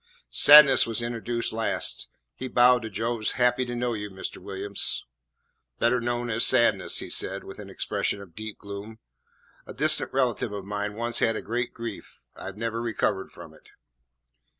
Sadness was introduced last. He bowed to Joe's "Happy to know you, Mr. Williams." "Better known as Sadness," he said, with an expression of deep gloom. "A distant relative of mine once had a great grief. I have never recovered from it."